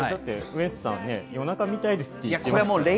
ウエンツさん、夜中に見たいですって言ってましたね。